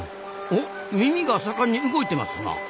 おっ耳が盛んに動いてますな！